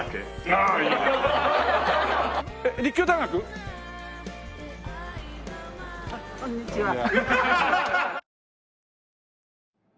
あっこんにちは。